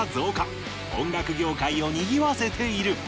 音楽業界をにぎわせている。